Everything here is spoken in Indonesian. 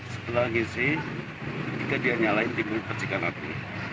setelah ngisi kita dinyalain timun percikan api